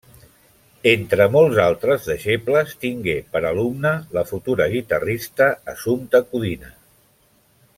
Entre molts altres deixebles, tingué per alumna la futura guitarrista Assumpta Codina.